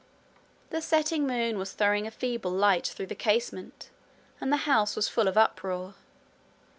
The setting moon was throwing a feeble light through the casement, and the house was full of uproar.